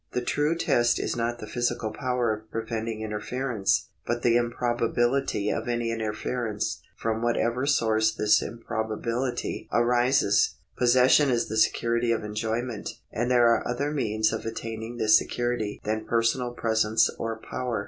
The true test is not the physical power of preventing interference, but the improbability of any interference, from whatever source this improbability arises. Possession is the security of enjoy ment, and there are other means of attaining this security than personal presence or power.